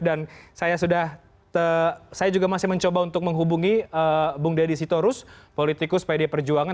dan saya juga masih mencoba untuk menghubungi bung dedi sitorus politikus pdi perjuangan